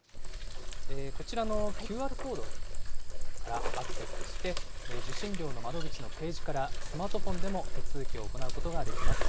こちらのＱＲコードからアクセスして、受信料の窓口のページからスマートフォンでも手続きを行うことができます。